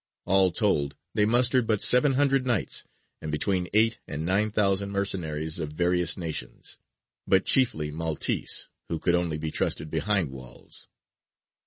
All told, they mustered but seven hundred Knights, and between eight and nine thousand mercenaries of various nations, but chiefly Maltese, who could only be trusted behind walls.